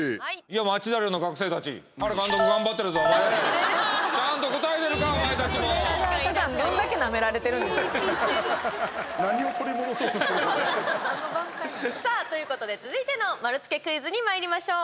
町田寮の学生たちさあ、ということで続いての丸つけクイズにまいりましょう。